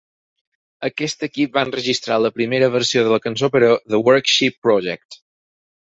Aquest equip va enregistrar la primera versió de la cançó per a "The Worship Project".